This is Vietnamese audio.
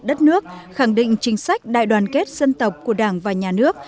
đất nước khẳng định chính sách đại đoàn kết dân tộc của đảng và nhà nước